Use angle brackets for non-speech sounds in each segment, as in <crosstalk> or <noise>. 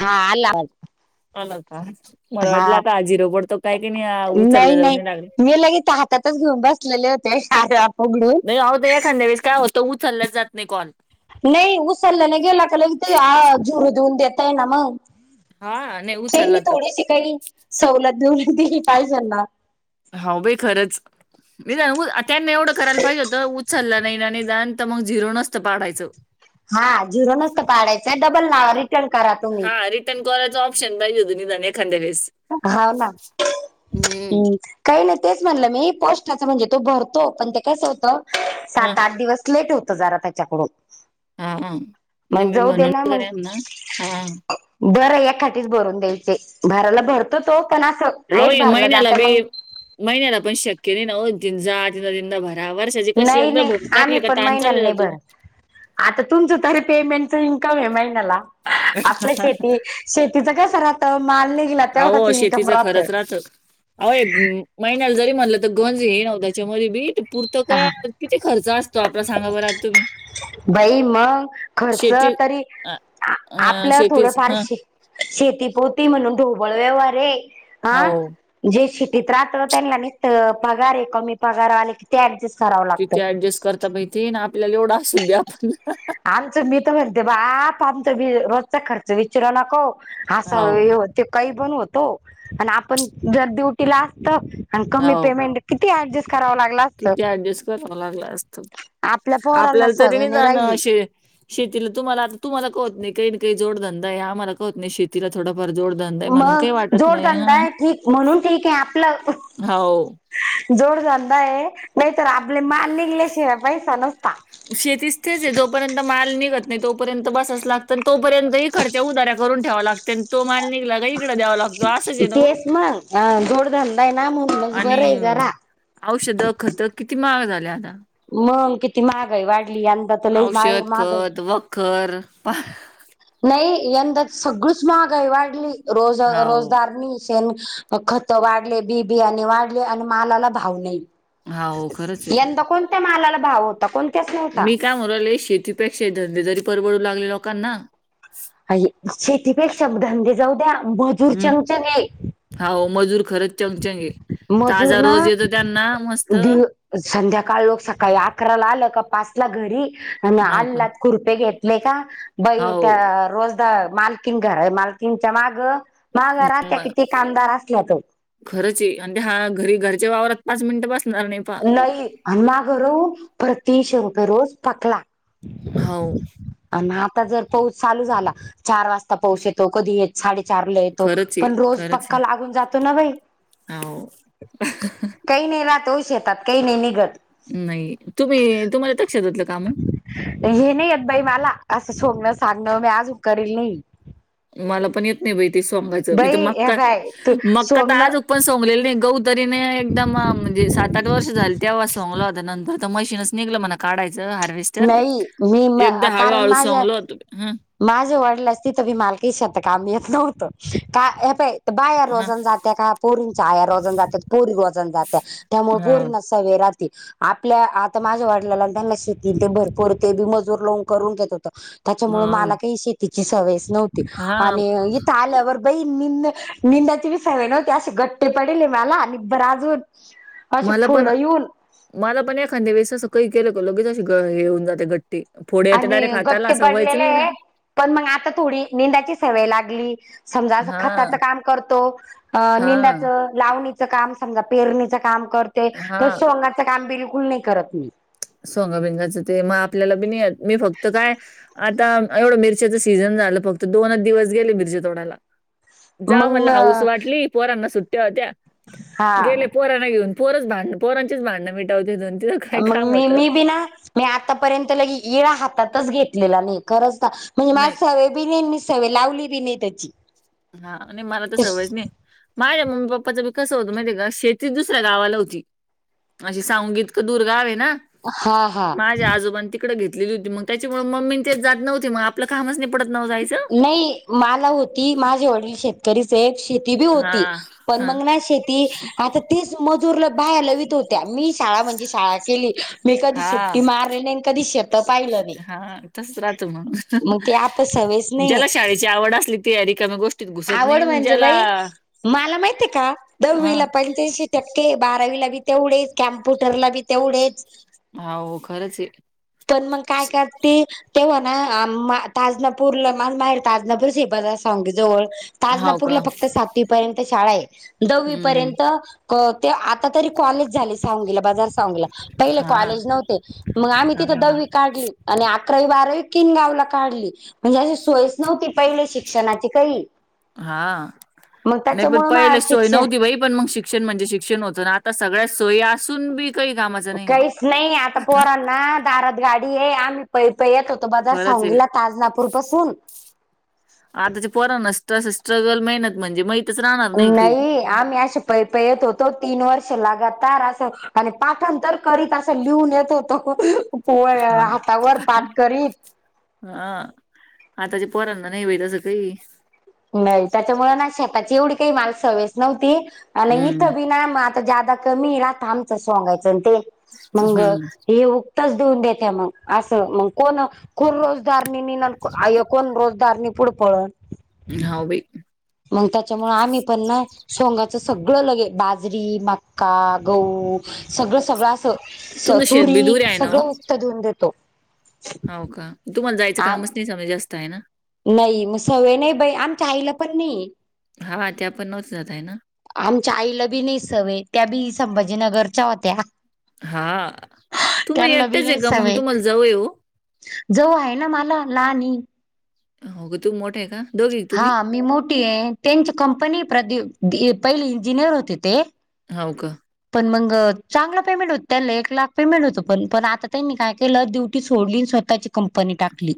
हा आला, आला का मला वाटलं, हा आता जिरो पडतो काय की नाही, उचललं जाऊन लागलं. मी लगे त्या <unintelligible> हातात चा, घेऊन बसलेले होते. उघडून नाही अहो एखादा वेळीस, काय होतं उचललाच जात नाही कॉल, नाही उसलल्याने गेला, की ते जुरू देऊन देेतय ना मग, हा नाही तेनी उचलला तो. थोडीशी काही सवलत, देऊली दिली पाहिजेना. हा बाई खरंच, मी जा त्यांना एवढं करायला पाहिजे होतं. उचचालला नाही ना नीदान, तर मग, झिरो नसतं पाडायचं. हा झेरो नसत, काडाच डबल लावा रिटर्न करा तुम्ही. रेटन करायच, ऑपशन पाहिजे होता एकादरा वेळेस, हाव ना हम्म हम, काही नाही तेच म्हणलं मी, पोस्टा, च म्हणजे तो भरतो पण ते कसं होतं ह सात आठ दिवस. लेट होत. जरा त्याच्याकडून, हा हा, नाही मग मी जाऊ दे म्हणून ना मग कानी हेना, हा, हा बरं या एखादी भरून द्यायचे, भराला भरतो तो, पण असं. अहो लेट भरला महिन्याला जात बी, मग महिन्याला पण शक्य नाही, ना हो त <unintelligible> हा वर्षाची कशी नाही एकदा नाही भरून आम्ही टाकले, का पण ताण चालल महिन्याला नाही जातो, भरत आता तुमचं तरी पेमेंटच इन्कम आहे, महिन्याला आपल्या, शेती शेतीचा कस राहतं माल, निघाला की, त्यावरच अहो इन्कम शेतीचं राहतं. खरंच महिन्याला जरी म्हणलं तर गंज हे नव त्याच्या म बीट पुरतं का हा किती खर्च असतो, आपला सांगा बर आात तुम्ही, बाई मग खर्च शेती तरी अ अ आपलं थोडं शेतीच हं फारशी शेती पोती म्हणून ढोबळ व्यवहार आहे हा हो जे शिटीत राहत त्यांना निित पगार आहे कमी पगार आले ते ऍडजस्ट करा तिथे ऍडजस्ट करता माहिती ना आपल्याला एवढं असू द्या आपण आमचं मी तर म्हणते बाप आमचा मी रोजचा खर्च विचारू नको हो असं ते काही पण होतो आणि आपण जर ड्युटीला असत आणि कमी हो पेमेंट किती ऍडजस्ट कराव लागला किती ऍडजस्ट करावं लागला असत आपल्या पोरांना आपल्याला तरी सवय नाही जाणं राहिली असे शेतीला तुम्हाला आता तुमला कत नाही काही काही जोडधंदा आहे आम्हाला कत नाही शेला थोडाफार जोड मग जोडधंदा आहे ठीक म्हणून ठीक आहे आपलं हो जोड झाय नाही तरर आपले मान लिहिल्या शिवा पैसा नसता शेतीच तेच जोपर्यंत माल निघत नाही तोपर्यंत बसास लागत आणि तोपर्यंत खर्च्या उदार्या करून ठेवा लागते आणि तो मान निघला काहीकडं द्यावा लागतं असंच आहे ना ग तेच मग जोडधंदा आहे ना म्हणूनच आणि बरं आहे जरा औषधं खतक किती महाळ झाले आता मग किती महाग आहे वाढली यंदा तर ल मा माग आहे घर प नाही यंदाच सगळीच महागाई वाढली रोज हाव रोजदारनी खत वाढले बिबियाणे वाढले आणि मालाला भाव नाही हाव खरंच आहे यंदा कोणत्या मालाला भाव होता कोणत्याच नव्हता त्यामुले शेतीपेक्षा धंदेदरी परवडू लागले लोकांना अ शेतीपेक्षा धंदे जाऊ द्या मजूर चमचाने होा मजूर खरंच चंगचंग आहे ताजा रोज येतो त्यांना मस्त दिव संध्याकाळ लोक सकाळी अकराला आलं का पाच ला घरी आणि हाव का आला खुरपे घेतले का बई हाव त्या रोज मालकीन घर आहे मालकींच्या माग माघर त्या किती कामदार असल्यात खरच आणि ते हा घरी घरच्या वावरात पाच मिनिटं बसणार नाही प नाही आणि मागर प्रतिशे रुपये रोज पकला हो आणि आता जर पाऊस चालू झाला चार वाजता पाऊस येतो कधी येतो साडेचारला येतो खरंच आहे, पण रोज खरंच पक्का आहे. लागून जातो ना बाई हो. काही नाही रातोष येतात काही नाही निघत नाही तुम्ही तुम्हाला तक्ष देतलं काम हे नाही यत बाई मला असं सोडणं सांगणं मी आज उ करल नाही मला पण येत नाही बाई ते सोगायचं मी तर बाई हे मक्का बाय तू मक्का तर सोंगण आज पण सोगलेलं नाही गौ तरीने एकदम म्हणजे सात आठ वर्ष झाली तेव्हा सोंगल होता नंतर तर मशीनच निघलं म्हणा काढायचं हार्वेस्टर नाही मी एकदा हळूहळू सांगल तोम ह माझ वडलं असती तर मी मालकी शतकाम येत नव्हतं का हे प बाया हं, रोजण जात्या का पोरींच्या आया रोजण जातात पोरी रोजण जात्या त्यामुळे हां, पोरीन सवराात आपल्या आता माझ्या वडलाला त्यांना शेती ते भरपूर ते बी मजूर लोून करून घेत होत त्याच्यामुळे हां, मला काही शेतीची सवय नव्हती हां. आणि इथे आल्यावर बई नि निंदाची बी सव नव्हती असे गट्टे पडेले मला आणि बर अजून असे मला फोड पण येऊन मला पण एखाद्या वेस असं काही केलं का लगेचशी येऊन जाते गट्टी फोड येते आणि डायरेक्ट गट्टी हाताला सवयच पडलेले नाही ना. आहे पण मग आता थोडी निंदाची सवय लागली समजा हां, खताचं काम करतो अ हां, निंदाचं लावणीचं काम समजा पेरणीच काम करते तर हां. सोंगाचं काम बिलकुल नाही करत मी सोंग बिंगाचं ते मग आपल्याला बी मी फक्त काय आता एवढं मिरच्याचं सीझन झालं फक्त दोन आच दिवस गेले मिरच्या तोडायला जा मग म म्हला हाऊस वाटली पोरांना सुट्ट्या होत्या हा गेले पोराना घेऊन परच भांडणंोरांचेच भांडणं मिटावते दोनथ मग मी मी बी ना मी आतापर्यंत लगे इळा हातातच घेतलेला नाही खरंच ना म्हणजे माझ नाही सव बिनन मी सव लावली बि नाही त्याची हा आणि मला तर सवज नाही माझ्या मम्मी पप्पाच विकस होत म्हणजे का शेती दुस्या गावाला होती अशी सांगूनगीतकं दुर्गावे आहे ना हा हा माझ्या आजोबां त इिकडे घेतलेली होती मग त्याच्यामुळे मम्मी तेच जात नव्हती मग आपलं कामच नाही पडत नव जायचं नाही मला होती माझे ऑडि शेत तरीच एक शेती बी हा होती पण हा मग ना शेती आता तेच मजूरला बाहेर लवित होत्या मी शाळा म्हणजे शाळा केली मी कधी सुट हा ती मारलेले कधी शेत पाहिलं नाही हा तस राहत मग मग ते आता सवयच नाही ज्याला शाळेची आवड असली तीयारी कमी गोष्ट आवड म्हणजे बाई मला माहिितय का दववीला हां. पाहि टक्के बारावीला बी तेवढेच कम्प्युटरला बी तेवढेच हो खरंच आहे. पण मग काय काय ती तेव्हा ना ताजनापूरला माझ माहेर ताजनापूर श बजार सांगे जवळ हो का? ताजनापूरला फक्त सातवीपर्यंत शाळा आहे दहावी हं. पर्यंत ते आता तरी कॉलेज झाले सांंगीला बाजार सांीला पहिले हां, कॉलेज नव्हते मग आम्ही तिथं हां, दवी काढली आणि अकरावी बारावी किन गावला काढली म्हणजे अशी सोयच नव्हती पहिले शिक्षणाची काही हा मग नाही पण त्याच्यामुळ मला पहिले सोय शिक्षण नव्हती भई पण मग शिक्षण म्हणजे शिक्षण होत ना आता सगळ्या सोयी असून बी काही काम काहीच नाही आता पोरांना दारद गाडी आहे आम् पै प य होतो बाजार खरंच आहे. सांगीला ताज नागपूर पासून आताचे पो ना स्ट स्ट्रगल मेहनत म्हणजे राहणार काही. नाही आम्ही असश पै प येत होतो तीन वर्ष लागातार असं आणि पाठण तर करीत असं लिहून येत होतो पो हातावर पाठ करी हा आताच्या पोरांना नाही वेट असं काही नाही त्याच्यामुळे ना शेताची एवढी काही माल सवेस नव्हती आणि हं, हीथबी ना जा कमी राहत आमच सोगायचं ते मग हं. हे च देऊन देते मग असं मग कोण कुररोजदारयोग्य कोण रोजदार नि पुुड पळत हा बाई‌. मग त्याच्यामुळे आम्ही पण ना सोंगाचं सगळं लगे बाजरी मक्का गहू सगळं सगळं असं स तुमचं शेत तुरी बी दूर आहे ना ओ? सगळं उक्त देऊन देतो. हो का तुम्हाला जायचं आ कामच नाही समजा जास्त आहे ना. नाही मग सवय नाही बाई आमच्या आईला पण नाही य. हा त्या पण नव्हत्या जात हाय ना. आमच्या आईला बी नाही सवय त्या बी संभाजीनगरच्या होत्या. हा तुम्ही त्यांना बी एकटीच आहे नाही का मग सवय तुम्हाला जाऊ ये <inaudible> होग तू मोठ आहे का दोघी आहे हा तुम्ही? मी मोठी टच कंपनी प्र पहिले इंजिनियर होते ते हो का. पण मग चांगला पेमेंट होत त्याला एक लाख पेमेंट होतं पण पण आता त्यांनी काय केलं ड्यूटी सोडली स्वतःची कंपनी टाकली.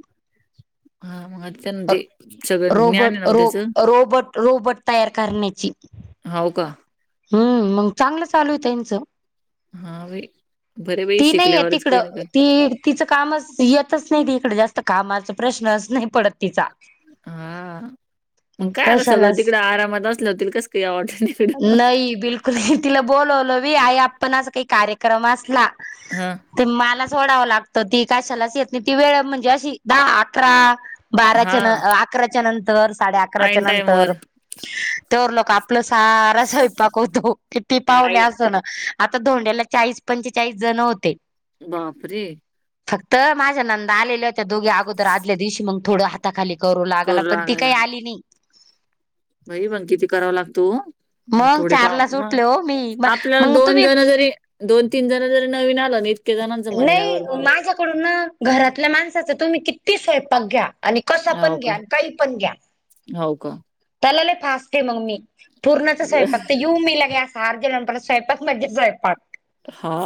हा मग आ त्यांमध्ये ते सगळं ज्ञान आहे रोबोट नाव रो त्याचं. रोबोट रोबोट तयार करण्याची. हो का. हम्म मग चांगलं चालू य त्यांचं. हां, बाई. बरं बाई ती नाहीय शिकल्यावरच तिकडं काही ना काही. ती तिचं कामच येतच नाही त इकडे जास्त कामाचा प्रश्नच नाही पडत तिचा ती हा मग काय आता सगळं कशालाच तिकड आरामात बसल्या होतील कस का या वाटने. नाही बिलकुल तिला बोलवलं वी आई आपण अस काही कार्यक्रम असला. हम्म. ते मला सोडावं लागतं ती कशालाच येत नाही ती वेळ म्हणजे अशी दहा अकरा बाराच्या न हां. अकराच्या नंतर साडे अकराच्या ऐन टाईमवर. नंतर. तर लोक आपलं सारा स्वयंपाक होतो किती पावणे ऐन असो ना. आता धोंड्याला चाळीस पंचेचाळीस जण होते. बापरे! फक्त माझ्या नंदा आलेला हो त्या दोघे अगोदर आदल्या दिवशी मग थोडं हाताखाली. करू लागला पण ती काही आली नाही. बाई मग किती कराव लागतो ओ. मग थोडी पाव चारला मग सुटले हो मी आपल्याला मग दोन तुम्ही जण जरी दोन तीन जण जरी नवीन आलं ना इतके जणांचं म्हणल्यावर मग कुठन घरातल्या माणसाच तुम्ही किती स्वयंपाक घ्या. आणि कसा हो पण का घ्या आणि काही पण घ्या. हो का त्याला लई फास्ट आहे मग मी पूरणाचा स्वयपाक त येऊ मी लगे सारज नंतर स्वयंपाक म्हजे स्वयंपाक हा.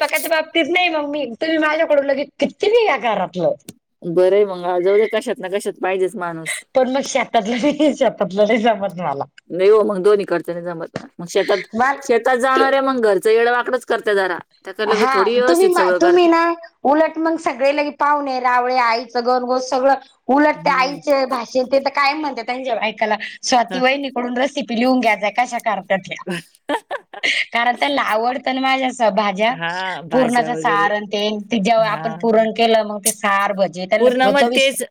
पकाच्या बाबतीत नाही म मी तुम्ही माझ्याकडून लगे किती मी घरातलं. बरं आहे मंग जाऊ कशात ना कशात पाहिजेच माणूस. पण मग शेतातलं नाही शेतातलं नाही जमत मला. नही हो मग दोन्ही कडच नाही जमत मग शेतात मग शेत आता तू जाणाऱ्या मग घरचं येडवाकड करत जरा. त्याकडे लगे हा थोडी तुम्ही व्यवस्थित मा सगळं तुम्ही करते ना. उलट मग सगळे लई पावणे रावळे आईचं गनो गस सगळं उलट त्या हम्म आईचे भाषे ते तर कायम म्हणतात त्यांच्या बायकाला हा स्वातीवहिनी कडून रेसिपी लिहून घ्यायच्या कशा करताय त्या. कारण त्याला आवडत ना माझ्या अस भाज्या हा, भाज्या पुरणाचा वगैरे सार अन ते जेव्हा हा आपण पुरण केलं मग ते सार भ पूर्ण मत तेच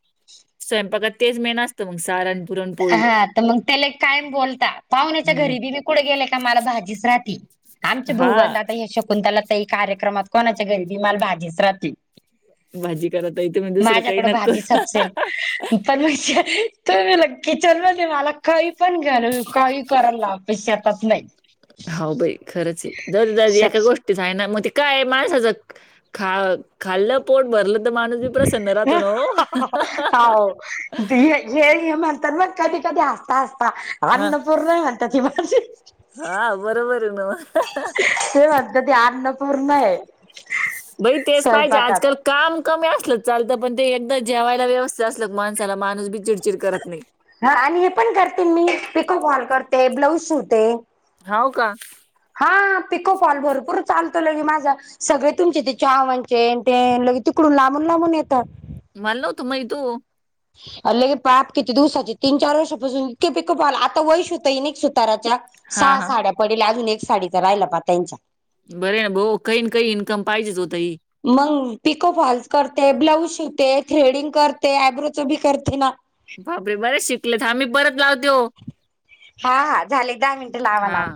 स्वयंपाकात तेच मेन असत मग सारण पुरणपोळी हा तर मग त्याला कायम बोलता पाहुण्याच्या हम्म घरी बी मी कुठे गेले का मला भाजीच राहते आमचे हा भाऊबंध आता हे शकून त्याला त कार्यक्रमात कोणाच्या गरिबी माल भाजीच राहली भाजी करता यथे मी दुसरं काही नका भाजी करु. <inaudible> किचन म्हजे मला कही पण घ्याल कही करायला लाे शेतात नाही. <inaudible> शेत ते जाय ना मग ते काय मालासज खा खाल्लं पोट भरलं तर माणूस बी प्रसन्न राहतो ना हो. हो हे हे म्हणतात मग कधी कधी हसता हसता हा अन्नपूर्णा म्हणता ती माझी. हा बरोबर आहे न म. ते म्हणता ती अन्नपूर्णा य बाई तेच पाहिजे आजकाल स्वयंपाकात. काम कमी असलं चालतं पण ते एकदा जेवायला व्यवस्थित असल माणसाला माणूस बी चिडचिड करत नाही ह आणि हे पण करते मी पिको हॉल करते ब्लाऊज शिवते हो का. हा पिको पॉल भरपूर चालतो लगे माझा. <inaudible> मल तुम इू अ ल के पाप किती दिवसाचे तीन चार वर्षापासून इके प्क पाला आता वैश होता इ नक सुताराच्या हा सहा हा साड्या पडेल्या अजून एक साडी तर राहिला पा त्यांच्या बरे ना भा काही ना काही इन्कम पाहिजेच होत ही मग पिको फॉल्स करते ब्लाऊज शिवते थ्रेडिंग करते यब्रोचं बी करते ना बाबरे बरेच शिकलेत आम्ही परत लावतेो हा हा झाले दहा मिनट लावा हा लाव